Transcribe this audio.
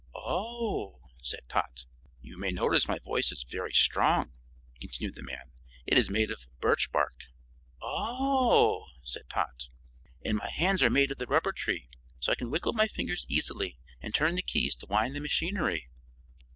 "Oh!" said Tot. "You may notice my voice is very strong," continued the man; "it is made of birch bark." "Oh!" said Tot. "And my hands are made of the rubber tree so I can wiggle my fingers easily and turn the keys to wind the machinery."